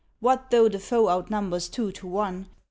What though the foe outnumbers two to one?